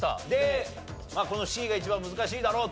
このＣが一番難しいだろうと。